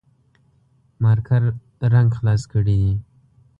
مارکر رنګ خلاص کړي دي